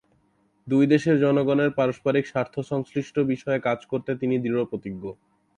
দুই দেশের জনগণের পারস্পরিক স্বার্থ-সংশ্লিষ্ট বিষয়ে কাজ করতে তিনি দৃঢ় প্রতিজ্ঞ।